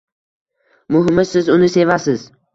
Muhimi, siz uni sevasiz.